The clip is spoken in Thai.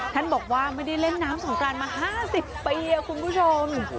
ท่านบอกว่าไม่ได้เล่นน้ำสงกรานมา๕๐ปีคุณผู้ชม